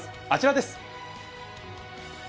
あちらです。